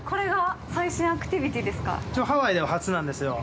一応、ハワイでは初なんですよ。